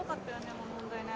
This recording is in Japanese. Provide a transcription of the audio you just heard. あの問題ね